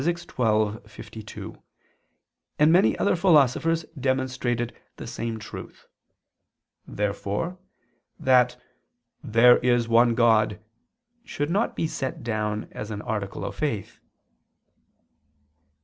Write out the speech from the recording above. xii, text. 52) and many other philosophers demonstrated the same truth. Therefore that "there is one God" should not be set down as an article of faith.